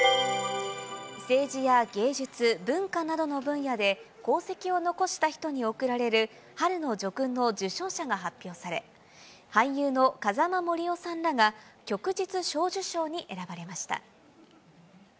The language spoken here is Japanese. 政治や芸術、文化などの分野で功績を残した人に贈られる春の叙勲の受章者が発表され、俳優の風間杜夫さんらが旭日小綬章に選ばれました。